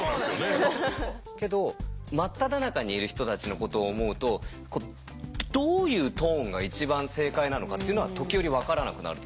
けど真っただ中にいる人たちのことを思うとどういうトーンが一番正解なのかっていうのは時折分からなくなる時がある。